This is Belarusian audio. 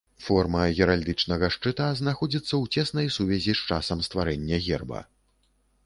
Форма геральдычнага шчыта знаходзіцца ў цеснай сувязі з часам стварэння герба.